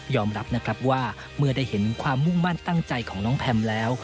รับนะครับว่าเมื่อได้เห็นความมุ่งมั่นตั้งใจของน้องแพมแล้ว